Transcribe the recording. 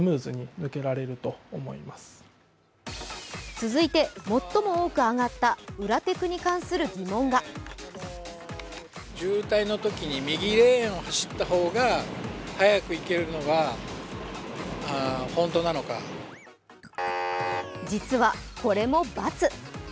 続いて最も多く上がった裏テクに関する疑問が実は、これも×。